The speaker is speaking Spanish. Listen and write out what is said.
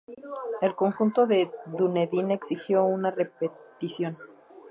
El conjunto de Dunedin exigió una repetición.